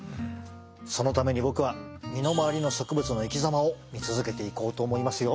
そのために僕は身のまわりの植物の生き様を見続けていこうと思いますよ。